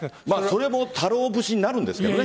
それも太郎節になるんですけどね。